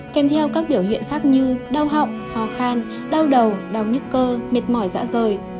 kèm theo các biểu hiện khác như đau họng ho khan đau đầu đau nhức cơ mệt mỏi dạ rời